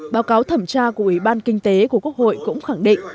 báo cáo thẩm tra của ủy ban kinh tế của quốc hội cũng khẳng định